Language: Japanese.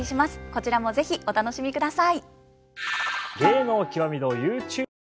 こちらも是非お楽しみください。